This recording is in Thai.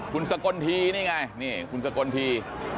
คุณสกลทีนี่ไงนี่คุณสกลที